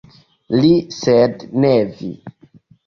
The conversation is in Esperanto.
Li, sed ne vi!